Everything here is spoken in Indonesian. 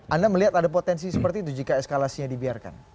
anda melihat ada potensi seperti itu jika eskalasinya dibiarkan